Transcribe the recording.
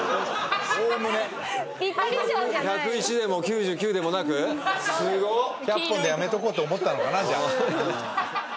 １０１でも９９でもなく？すごっ。１００本でやめとこうと思ったのかなじゃあ。